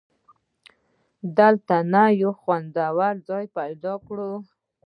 دلته نه، یو خوندي ځای به پیدا کړو.